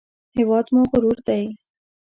هېواد مو غرور دی